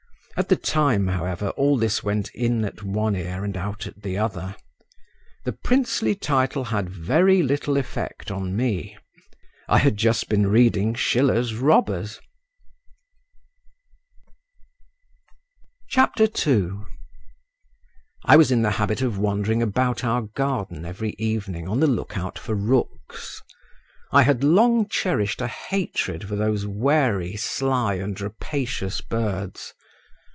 At the time, however, all this went in at one ear and out at the other. The princely title had very little effect on me; I had just been reading Schiller's Robbers. II I was in the habit of wandering about our garden every evening on the look out for rooks. I had long cherished a hatred for those wary, sly, and rapacious birds.